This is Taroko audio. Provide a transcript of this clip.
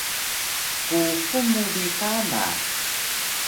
kuxul mu bi kana